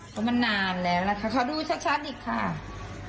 ชุดมันตัวเล็กคำคูณก็ผิดไซส์